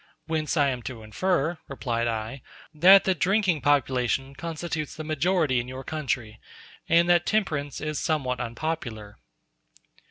"Whence I am to infer," replied I, "that the drinking population constitutes the majority in your country, and that temperance is somewhat unpopular."